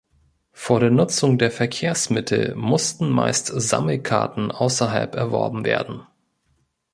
Vor der Nutzung der Verkehrsmittel mussten meist Sammelkarten außerhalb erworben werden.